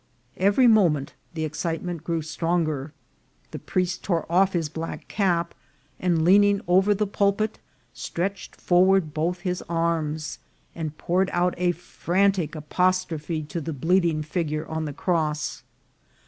Every moment the excitement . grew stronger. The priest tore off his black cap, and lean ing over the pulpit, stretched forward both his arms, and poured out a frantic apostrophe to the bleeding fig ure on the cross.